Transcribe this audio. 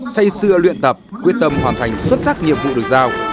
say xưa luyện tập quyết tâm hoàn thành xuất sắc nhiệm vụ được giao